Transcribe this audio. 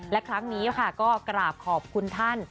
และครั้งนี้ค่ะก็กราบขอบคุณท่าน